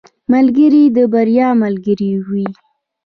ملګری د بریا ملګری وي.